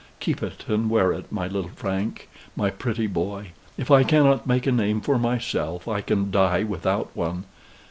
Keep it, and wear it, my little Frank, my pretty boy. If I cannot make a name for myself, I can die without one.